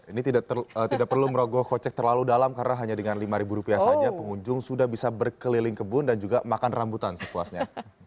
ini tidak perlu merogoh kocek terlalu dalam karena hanya dengan lima rupiah saja pengunjung sudah bisa berkeliling kebun dan juga makan rambutan sepuasnya